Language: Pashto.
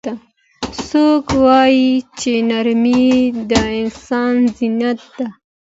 څوک وایي چې نرمۍ د انسان زینت ده